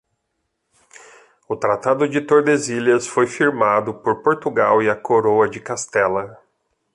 O Tratado de Tordesilhas foi firmado por Portugal e a Coroa de Castela